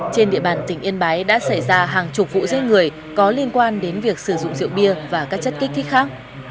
trên địa bàn tỉnh yên bái đã xảy ra hàng chục vụ giết người có liên quan đến việc sử dụng rượu bia và các chất kích thích khác